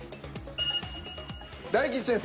大吉先生。